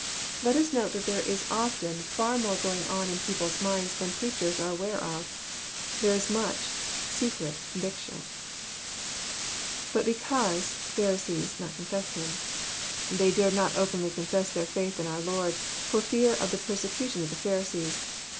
Let us note that there is often far more going on in people's 370 EXPOSITORY THOUGHTS* minds than preachers are aware of. There is much secret con viction. IBut hecause..,Phari8ee8.,.not confess himJ] They dared not openly confess their faith in our Lord, for fear of the persecu tion of the Pharisees.